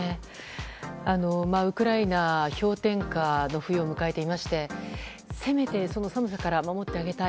ウクライナは氷点下の冬を迎えていましてせめて、その寒さから守ってあげたい。